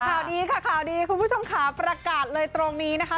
ข่าวดีค่ะข่าวดีคุณผู้ชมขาประกาศเลยตรงนี้นะคะ